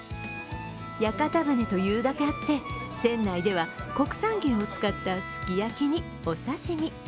屋形船というだけあって、船内では国産牛を使ったすき焼きにお刺身。